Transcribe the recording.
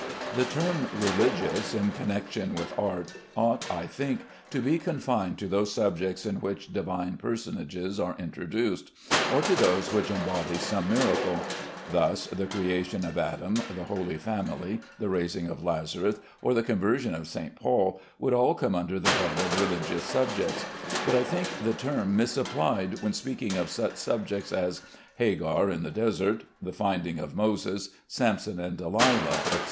The term "Religious," in connection with art, ought, I think, to be confined to those subjects in which Divine personages are introduced, or to those which embody some miracle. Thus "The Creation of Adam," "The Holy Family," "The Raising of Lazarus," or "The Conversion of St. Paul," would all come under the head of religious subjects; but I think the term misapplied when speaking of such subjects as "Hagar in the Desert," "The Finding of Moses," "Samson and Delilah," etc.